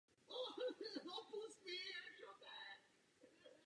Klubové barvy jsou černá a bílá.